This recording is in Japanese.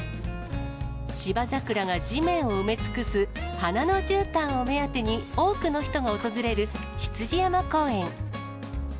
芝桜が地面を埋め尽くす花のじゅうたんを目当てに多くの人が訪れる羊山公園。